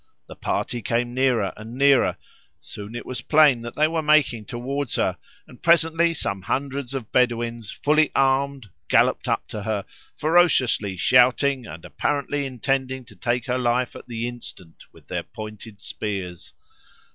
The party came nearer and nearer; soon it was plain that they were making towards her, and presently some hundreds of Bedouins, fully armed, galloped up to her, ferociously shouting, and apparently intending to take her life at the instant with their pointed spears.